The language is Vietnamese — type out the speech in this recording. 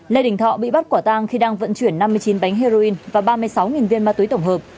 lê đình thọ bị bắt quả tang khi đang vận chuyển năm mươi chín bánh heroin và ba mươi sáu viên ma túy tổng hợp